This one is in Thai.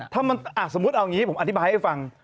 ถ้ามันสมมุติเอาอย่างนี้ผมอธิบายให้ฟัง